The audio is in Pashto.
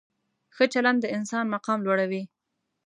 ښه چلند د انسان مقام لوړوي.